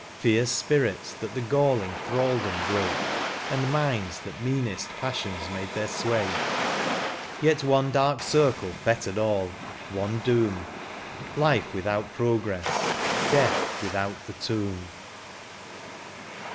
Fierce spirits that the galling thraldom broke. And minds that meanest passions made their sway : Yet one dark circle fettered all ; one doom ; Life without progress; death without the tomb.